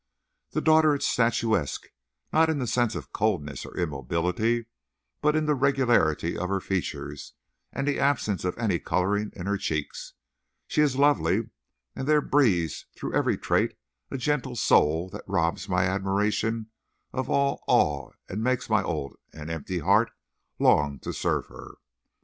The daughter is statuesque; not in the sense of coldness or immobility, but in the regularity of her features and the absence of any coloring in her cheeks. She is lovely, and there breathes through every trait a gentle soul that robs my admiration of all awe and makes my old and empty heart long to serve her.